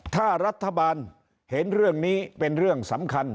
ถ้ารัฐบาลเห็นเรื่องนี้เป็นเรื่องสำคัญ